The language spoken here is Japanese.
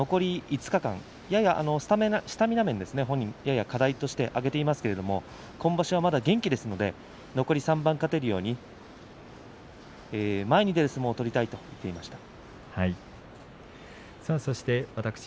スタミナ面を、やや課題として挙げていますが今場所まだ元気ですので残り３番勝てるように前に出る相撲を心がけたいと話していました。